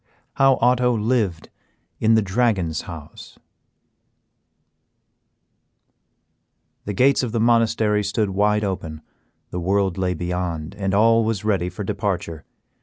How Otto Lived in the Dragon's House. The gates of the Monastery stood wide open, the world lay beyond, and all was ready for departure.